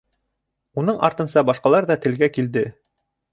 Уның артынса башҡалар ҙа телгә килде: